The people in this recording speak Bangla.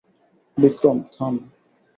বিক্রম, থাম।